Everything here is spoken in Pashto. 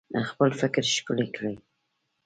خپل فکر ښکلی کړئ